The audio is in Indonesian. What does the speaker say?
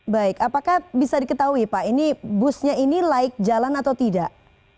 baik apakah bisa diketahui pak ini busnya ini laik jalan atau tidak